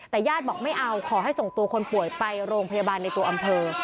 แต่ญาติบอกไม่เอาขอให้ส่งตัวคนป่วยไปโรงพยาบาลในตัวอำเภอ